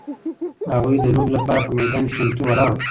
هغوی د لوبې لپاره په میدان کې چمتو ولاړ وو.